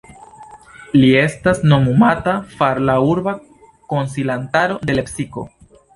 Li estas nomumata far la urba konsilantaro de Lepsiko.